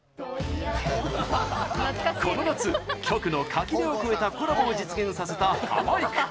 この夏、局の垣根を越えたコラボを実現させたハマいく。